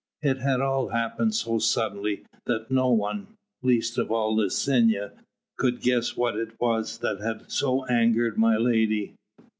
It had all happened so suddenly that no one least of all Licinia could guess what it was that had so angered my lady.